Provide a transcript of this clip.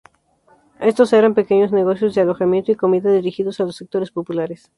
Estos eran pequeños negocios de alojamiento y comida dirigidos a los sectores populares.